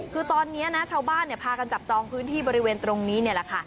คือตอนนี้นะชาวบ้านพากันจับจองพื้นที่บริเวณตรงนี้นี่แหละค่ะ